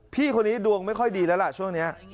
พี่คนนี้ดวงไม่ค่อยดีแล้วล่ะช่วงนี้